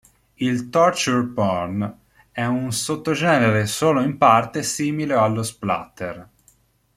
Il torture porn è un sottogenere solo in parte simile allo splatter.